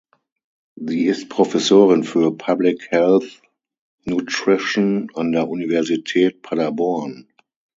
Sie ist Professorin für Public Health Nutrition an der Universität Paderborn.